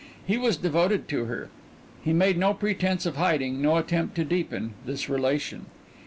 He was devoted to her. He made no pretense of hiding, no attempt to deepen, this relation.